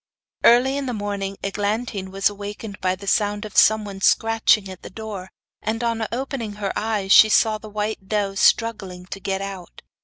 Early in the morning Eglantine was awakened by the sound of someone scratching at the door, and on opening her eyes she saw the white doe struggling to get out.